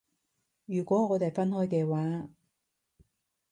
如果我哋分開嘅話